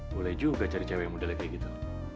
boleh juga cari cewek muda kayak gitu